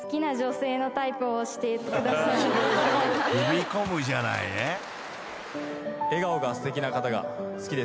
［踏み込むじゃないね］